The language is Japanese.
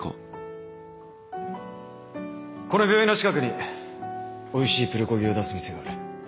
この病院の近くにおいしいプルコギを出す店がある。